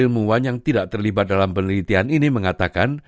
ilmuwan yang tidak terlibat dalam penelitian ini mengatakan